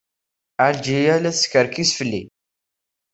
Ɛelǧiya la teskerkis fell-i.